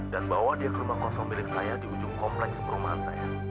dan bawa dia ke rumah kosong milik saya di ujung kompleks perumahan saya